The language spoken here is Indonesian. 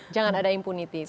jangan ada impunitas